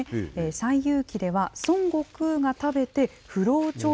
西遊記では、孫悟空が食べて不老黄色い。